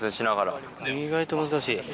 意外と難しい。